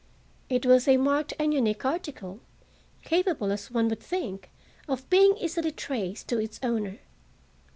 It was a marked and unique article, capable, as one would think, of being easily traced to its owner.